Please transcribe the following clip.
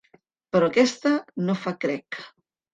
Però aquesta no fa crec.